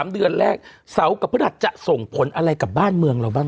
๓เดือนแรกเสาร์กับพฤหัสจะส่งผลอะไรกับบ้านเมืองเราบ้าง